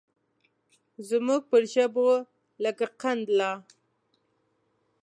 زموږ پر ژبو لکه قند لا